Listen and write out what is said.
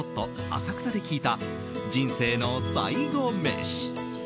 浅草で聞いた、人生の最後メシ。